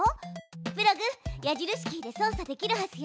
プログ矢印キーで操作できるはずよ。